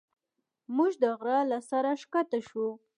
موږ د غره له سره ښکته شوو.